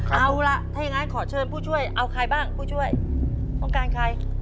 เอาล่ะถ้าอย่างนั้นขอเชิญผู้ช่วยเอาใครบ้างผู้ช่วยต้องการใคร